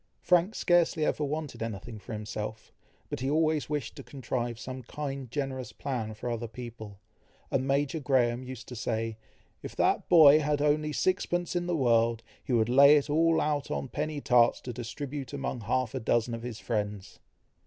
Frank scarcely ever wanted anything for himself, but he always wished to contrive some kind generous plan for other people; and Major Graham used to say, "if that boy had only sixpence in the world, he would lay it all out on penny tarts to distribute among half a dozen of his friends."